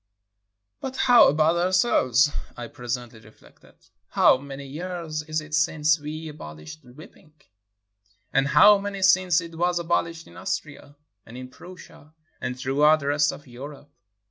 "But how about ourselves?" I pres ently reflected. *'How many years is it since we abol ished whipping? And how many since it was abolished in Austria? and in Prussia? and throughout the rest of Europe?"